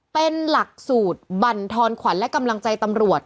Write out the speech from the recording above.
เป็นหลักสูตรบรรทอนขวัญและกำลังใจตำรวจ